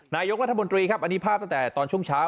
นายกรัฐมนตรีครับอันนี้ภาพตั้งแต่ตอนช่วงเช้า